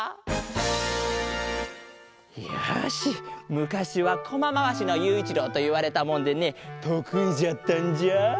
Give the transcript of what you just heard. むかしはコマまわしのゆういちろうといわれたもんでねとくいじゃったんじゃ！